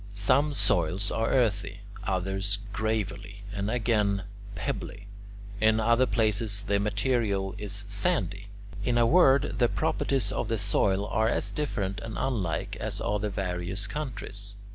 Some soils are earthy; others gravelly, and again pebbly; in other places the material is sandy; in a word, the properties of the soil are as different and unlike as are the various countries.